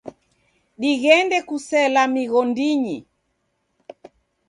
Dighende kusela mighondinyi.